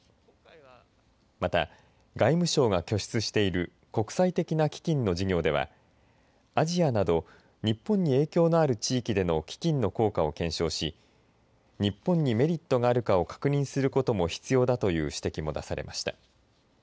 また、外務省が拠出している国際的な基金の事業ではアジアなど日本に影響のある地域での基金の効果を検証し日本にメリットがあるかを確認することも必要だという指摘も出されました。